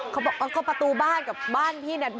เขาประตูบ้านกับบ้านพี่นั้น